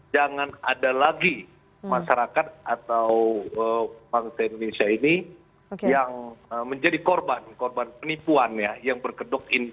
jangan ada lagi masyarakat atau bangsa indonesia ini yang menjadi korban korban penipuan ya yang berkedok ini